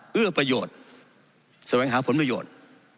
เอื้อประโยชน์แสวงหาผลประโยชน์